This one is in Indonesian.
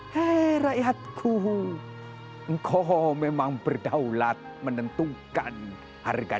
hai rakyatku engkau memang berdaulat menentukan harga